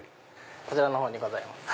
こちらのほうにございます。